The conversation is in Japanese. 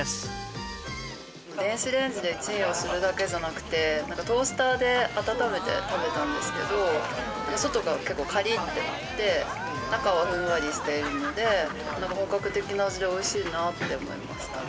電子レンジでチンをするだけじゃなくてトースターで温めて食べたんですけど外が結構カリッていって中はふんわりしているので本格的な味で美味しいなって思いました。